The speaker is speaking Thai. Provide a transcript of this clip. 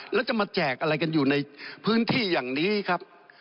แล้วจะมาแจกอะไรกันอยู่ในพื้นที่อย่างนี้ครับ